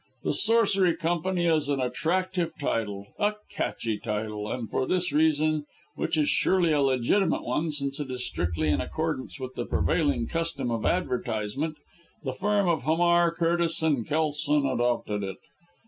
'The Sorcery Company' is an attractive title, a 'catchy' title, and for this reason, which is surely a legitimate one, since it is strictly in accordance with the prevailing custom of advertisement the firm of Hamar, Curtis and Kelson adopted it.